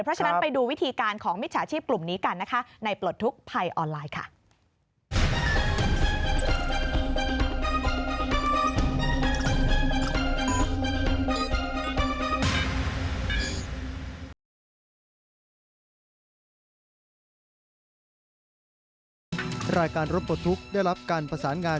เพราะฉะนั้นไปดูวิธีการของมิจฉาชีพกลุ่มนี้กันนะคะในปลดทุกข์ภัยออนไลน์ค่ะ